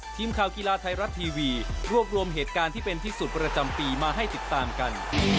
ทีมข่าวกีฬาไทยรัฐทีวีรวบรวมเหตุการณ์ที่เป็นที่สุดประจำปีมาให้ติดตามกัน